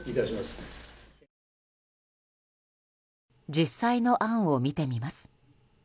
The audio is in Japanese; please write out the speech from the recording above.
実際の案を見てみます。